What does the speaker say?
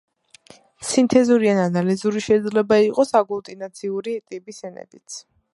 სინთეზური ან ანალიზური შეიძლება იყოს აგლუტინაციური ტიპის ენებიც.